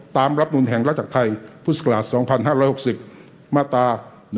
ตามรับหนุนแห่งรัฐจากไทยพฤษภาส๒๕๖๐มาตรา๑๗๒